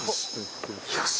よし！